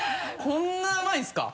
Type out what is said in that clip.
こんな甘いんですか？